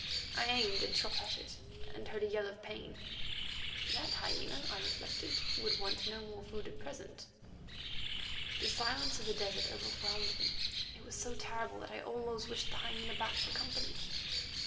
I aimed and shot at it, and heard a yell of pain. That hyena, I reflected, would want no more food at present. The silence of the desert overwhelmed me; it was so terrible that I almost wished the hyena back for company.